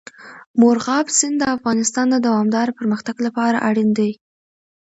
مورغاب سیند د افغانستان د دوامداره پرمختګ لپاره اړین دي.